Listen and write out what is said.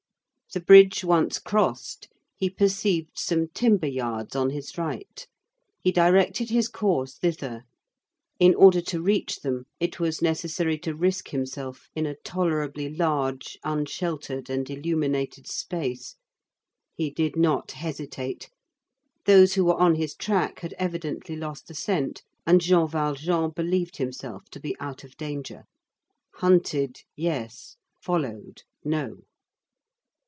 The bridge once crossed, he perceived some timber yards on his right. He directed his course thither. In order to reach them, it was necessary to risk himself in a tolerably large unsheltered and illuminated space. He did not hesitate. Those who were on his track had evidently lost the scent, and Jean Valjean believed himself to be out of danger. Hunted, yes; followed, no.